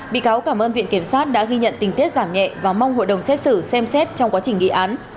bị cáo cảm ơn viện kiểm sát đã ghi nhận tình tiết giảm nhẹ và mong hội đồng xét xử xem xét trong quá trình nghị án